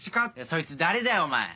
そいつ誰だよお前！